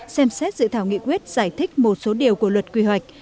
xem xét dự thảo nghị quyết giải thích một số điều của luật quy hoạch